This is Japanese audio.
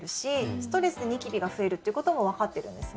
ストレスでニキビが増えるっていうこともわかってるんですね。